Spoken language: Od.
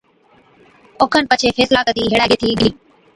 ائُون پڇي فيصلا ڪتِي هيڙَي گيهٿِي گھَرٽِي ڏِلِي۔